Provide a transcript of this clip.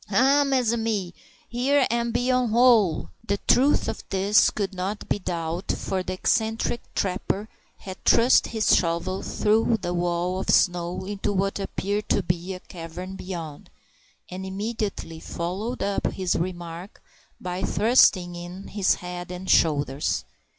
"Ha! mes ami, here am be one hole." The truth of this could not be doubted, for the eccentric trapper had thrust his shovel through the wall of snow into what appeared to be a cavern beyond, and immediately followed up his remark by thrusting in his head and shoulders.